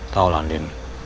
tau lah din